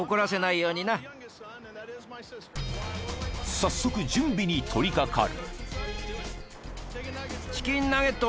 ［早速準備に取り掛かる］